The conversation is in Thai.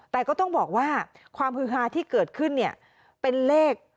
แต่ก็ต้องบอกว่าความฮือฮาที่เกิดขึ้นเนี่ยเป็นเลข